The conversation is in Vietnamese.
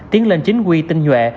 tiến lên chính quy tinh nhuệ